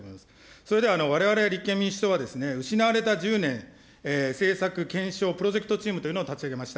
それでは、われわれ立憲民主党は、失われた１０年政策検証プロジェクトチームというのを立ち上げました。